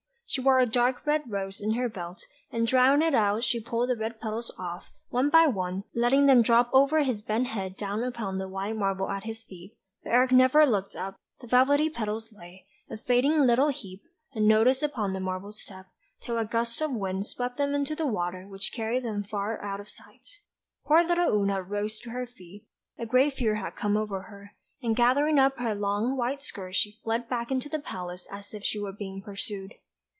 She wore a dark red rose in her belt, and drawing it out she pulled the red petals off, one by one, letting them drop over his bent head down upon the white marble at his feet. But Eric never looked up; the velvety petals lay, a fading little heap, unnoticed upon the marble step, till a small gust of wind swept them into the water which carried them away far out of sight. Poor little Oona rose to her feet; a great fear had come over her; and gathering up her long white skirts she fled back into the palace as if she were being pursued.